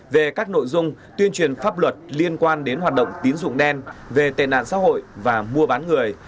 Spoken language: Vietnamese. về các nội dung tuyên truyền pháp luật liên quan đến hoạt động tín dụng đen về tệ nạn xã hội và mua bán người